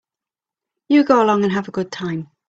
You go along and have a good time.